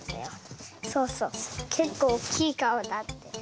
そうそうけっこうおっきいかお。